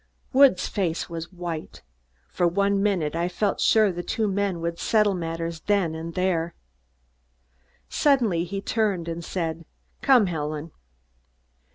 Woods' face was white. For one minute I felt sure the two men would settle matters then and there. Suddenly he turned and said: "Come, Helen!"